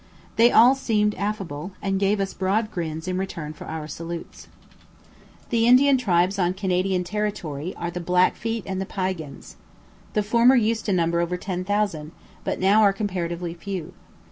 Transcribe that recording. They all seemed affable, and gave us broad grins in return for our salutes. The Indian tribes on Canadian territory are the Blackfeet and Piegans. The former used to number over ten thousand, but now are comparatively few.